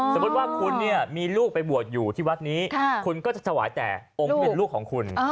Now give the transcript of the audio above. สมมุติว่าคุณเนี่ยมีลูกไปบวชอยู่ที่วัดนี้คุณก็จะถวายแต่องค์ที่เป็นลูกของคุณ